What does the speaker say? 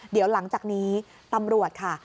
เดี๋ยวหลังจากนี้ตำรวจค่ะ